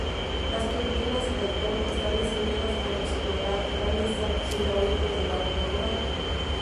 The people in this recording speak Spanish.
Las turbinas Pelton están diseñadas para explotar grandes saltos hidráulicos de bajo caudal.